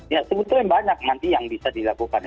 ya sebetulnya banyak nanti yang bisa dilakukan